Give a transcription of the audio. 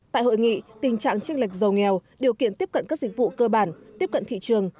tại hội nghị tình trạng tranh lệch giàu nghèo điều kiện tiếp cận các dịch vụ cơ bản tiếp cận thị trường